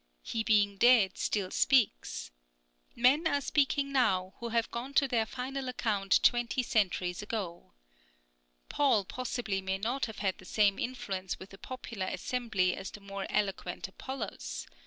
He being dead still speaks. Men are speaking now, who have gone to their final account twenty centuries ago. Paul possibly may not have had the same influence with a popular assembly as the more eloquent Apollos.